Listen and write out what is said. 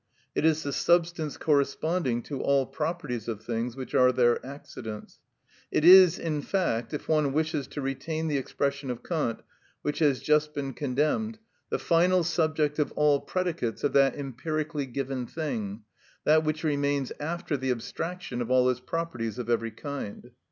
It is the substance corresponding to all properties of things which are their accidents. It is, in fact, if one wishes to retain the expression of Kant which has just been condemned, the final subject of all predicates of that empirically given thing, that which remains after the abstraction of all its properties of every kind.